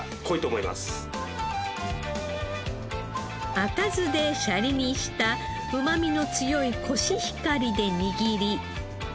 赤酢でシャリにしたうまみの強いコシヒカリで握り。